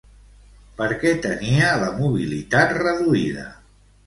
Per què tenia la mobilitat reduïda?